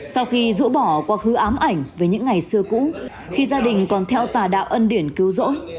sau khi rũ bỏ qua khứ ám ảnh về những ngày xưa cũ khi gia đình còn theo tà đạo ân điển cứu rỗ